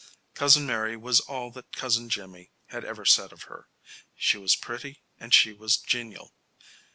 Cousin Mary was all that Cousin Jimmy had ever said of her. She was pretty and she was genial.